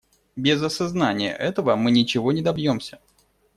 Без осознания этого мы ничего не добьемся.